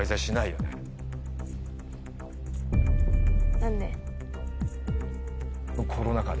何で？